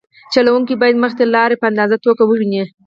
چلوونکی باید مخې ته لاره په ازاده توګه وویني